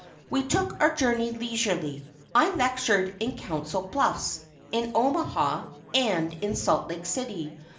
We took our journey leisurely. I lectured in Council Bluffs, in Omaha, and in Salt Lake City.